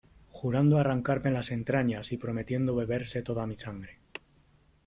jurando arrancarme las entrañas y prometiendo beberse toda mi sangre .